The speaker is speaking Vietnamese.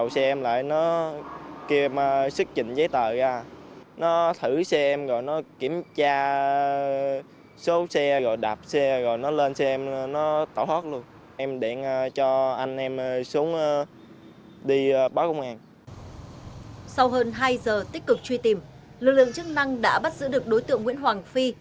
sau hơn hai giờ tích cực truy tìm lực lượng chức năng đã bắt giữ được đối tượng nguyễn hoàng phi